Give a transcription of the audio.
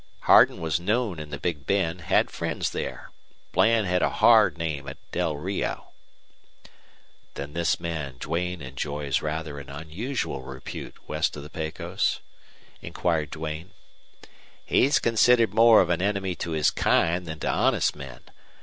Hardin was known in the Big Bend, had friends there. Bland had a hard name at Del Rio." "Then this man Duane enjoys rather an unusual repute west of the Pecos?" inquired Duane. "He's considered more of an enemy to his kind than to honest men.